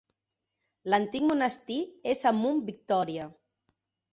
L'antic monestir és al Mount Victoria.